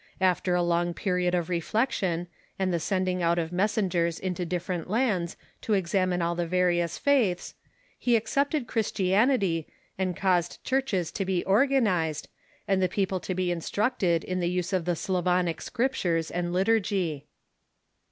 After a long period of reflection, and the sending out of messengers into different lands to examine all the various faiths, he ac cepted Christianity, and caused churches to be organized, and the people to be instructed in the use of the Slavonic Scriptures and liturgy.